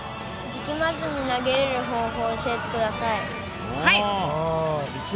力まずに投げれる方法を教えてください。